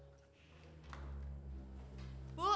dimana aja deh